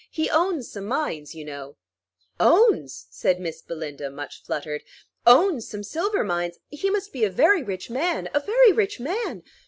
"He owns some mines, you know" "Owns?" said Miss Belinda, much fluttered; "owns some silver mines? He must be a very rich man, a very rich man.